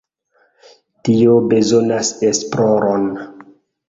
Tio bezonas esploron.